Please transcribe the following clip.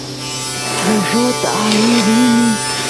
gorrot aay rini